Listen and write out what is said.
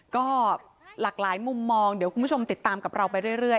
ก็หลากหลายมุมมองเดี๋ยวคุณผู้ชมติดตามกับเราไปเรื่อย